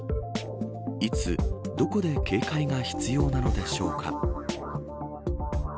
いつ、どこで警戒が必要なのでしょうか。